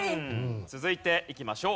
続いていきましょう。